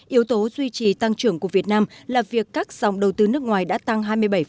yếu tố duy trì tăng trưởng của việt nam là việc các dòng đầu tư nước ngoài đã tăng hai mươi bảy